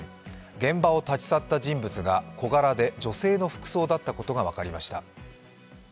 現場を立ち去った人物が小柄で女性の服装だったことが分かりました。